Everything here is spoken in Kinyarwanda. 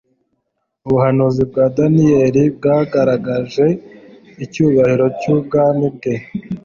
Ubuhanuzi bwa Daniel bwagaragaje icyubahiro cy'ubwami bwe